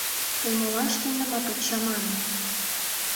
Тый молан шкендымат от чамане?